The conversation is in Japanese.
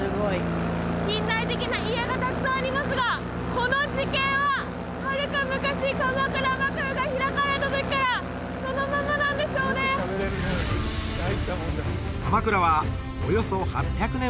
近代的な家がたくさんありますがこの地形ははるか昔鎌倉幕府が開かれた時からそのままなんでしょうね鎌倉はおよそ８００年